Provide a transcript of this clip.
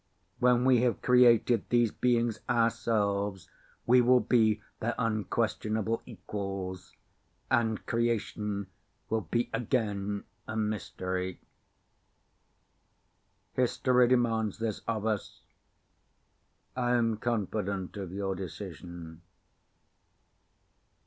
When we have created these beings ourselves, we will be their unquestionable equals. And creation will be again a mystery. History demands this of us. I am confident of your decision.